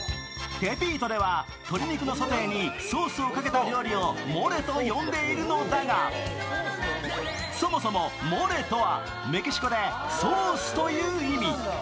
テピートでは鶏肉のソテーにソースをかけた料理をモレと呼んでいるのだがそもそも、モレとはメキシコでソースという意味。